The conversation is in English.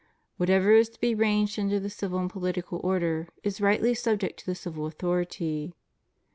Whatever is to be ranged under the civil and political order is rightly subject to the civil authority.